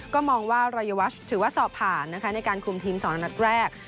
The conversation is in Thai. ก็มองว่ารายวัชถือว่าสอบผ่านนะคะในการคุมทีม๒นัดแรก